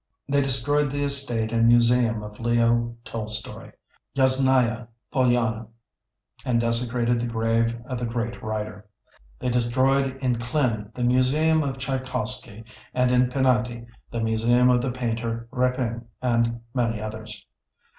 They destroyed the estate and museum of Leo Tolstoy, "Yasnaya Polyana," and desecrated the grave of the great writer. They destroyed in Klin the museum of Tchaikovsky and in Penaty, the museum of the painter Repin and many others.